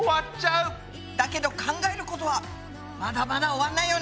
だけど考えることはまだまだ終わんないよね！